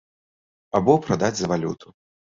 Або прадаць за валюту.